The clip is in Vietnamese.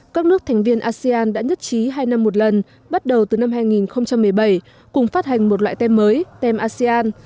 các nước thành viên asean đã nhất trí hai năm một lần bắt đầu từ năm hai nghìn một mươi bảy cùng phát hành một loại tem mới tem asean